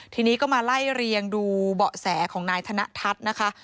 ทีนี้ก็มาไล่เรียงดูเบาะแสของนายธนทัศน์นะคะ